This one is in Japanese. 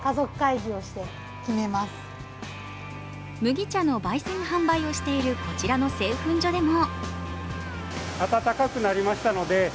麦茶のばい煎・販売をしているこちらの製粉所でも。